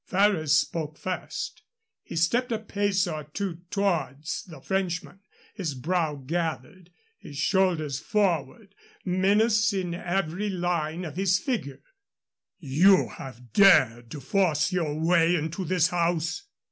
Ferrers spoke first. He stepped a pace or two towards the Frenchman, his brow gathered, his shoulders forward, menace in every line of his figure. "You have dared to force your way into this house?"